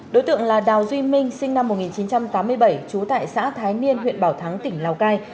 đối tượng là đào duy minh sinh năm một nghìn chín trăm tám mươi bảy trú tại xã thái niên huyện bảo thắng tỉnh lào cai